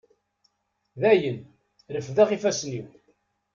Dayen, refdeɣ ifassen-iw.